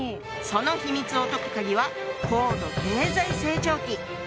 その秘密を解く鍵は高度経済成長期。